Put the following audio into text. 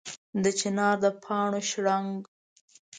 د چنار د پاڼو شرنګ